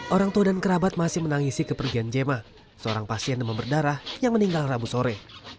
orang tua dan kerabat masih menangisi kepergian jema seorang pasien demam berdarah yang meninggal rabu sore